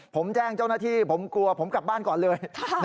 ผมแจ้งเจ้าหน้าที่ผมกลัวผมกลับบ้านก่อนเลย